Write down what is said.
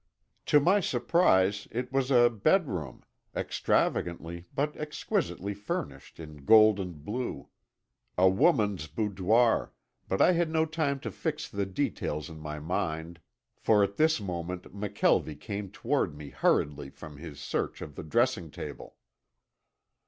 To my surprise it was a bedroom, extravagantly but exquisitely furnished in gold and blue, a woman's boudoir, but I had no time to fix the details in my mind, for at this moment McKelvie came toward me hurriedly from his search of the dressing table.